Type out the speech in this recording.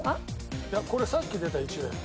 いやこれさっき出た１だよ。